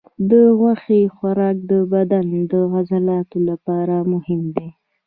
د غوښې خوراک د بدن د عضلاتو لپاره مهم دی.